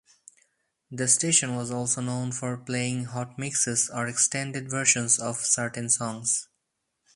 The station was also known for playing "hotmixes" or extended versions of certain songs.